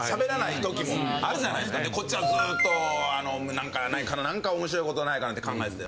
こっちはずっと何かないかな何か面白いことないかなって考えてて。